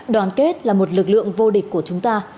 đoàn kết là một lực lượng vô địch của chúng ta